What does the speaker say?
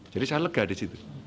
jadi saya lega di situ